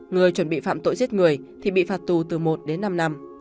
người chuẩn bị phạm tội giết người thì bị phạt tù từ một đến năm năm